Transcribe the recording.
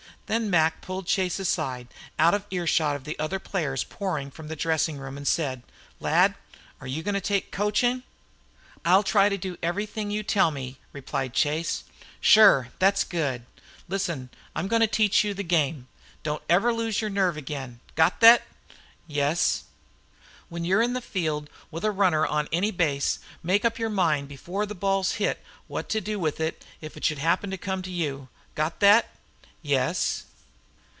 Then Mac pulled Chase aside, out of earshot of the players pouring from the dressing room, and said, "Lad, are you goin' to take coachin'?" "I'll try to do everything you tell me," replied Chase. "Shure, thet's good. Listen. I'm goin' to teach you the game. Don't ever lose your nerve again. Got thet?" "Yes." "When you're in the field with a runner on any base make up your mind before the ball's hit what to do with it if it should happen to come to you. Got thet?" "Yes."